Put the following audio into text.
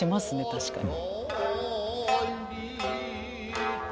確かに。